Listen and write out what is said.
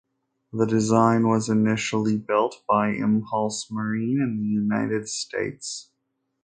The design was initially built by Impulse Marine in the United States.